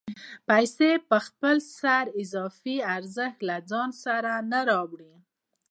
پیسې په خپل سر اضافي ارزښت له ځان سره نه راوړي